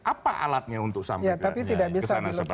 apa alatnya untuk sampai ke sana seperti itu